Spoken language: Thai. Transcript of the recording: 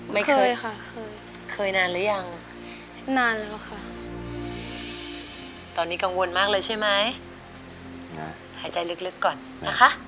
หรือยังนานเร็วค่ะตอนนี้กังวลมากเลยใช่ไหมหายใจลึกก่อนนะคะ